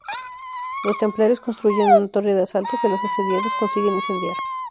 Los templarios construyen una torre de asalto que los asediados consiguen incendiar.